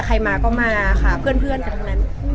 ใครมาก็มาค่ะเพื่อนกันทั้งนั้น